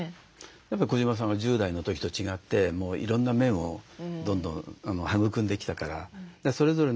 やっぱり小島さんは１０代の時と違っていろんな面をどんどん育んできたからそれぞれの面でおつきあいする人たちが